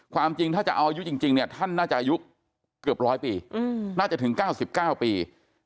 ความจริงถ้าจะเอาอายุจริงเนี่ยท่านน่าจะอายุเกือบ๑๐๐ปีน่าจะถึง๙๙ปี